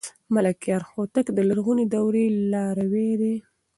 ملکیار هوتک د لرغونې دورې لاروی دی.